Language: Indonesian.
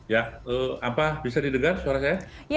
ya apa bisa didengar suara saya